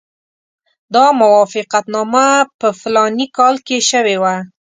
دا موافقتنامه په فلاني کال کې شوې وه.